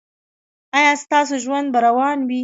ایا ستاسو ژوند به روان وي؟